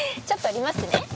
ちょっと降りますね。